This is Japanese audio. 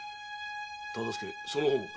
忠相その方もか？